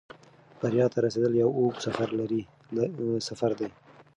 بریا ته رسېدل یو اوږد سفر دی.